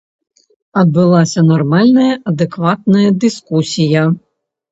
Адбылася нармальная, адэкватная дыскусія!